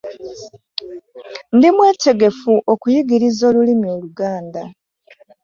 Ndi mwetegefu okkuyigiriza olulimi oluganda.